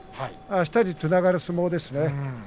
あしたにつながる相撲ですね。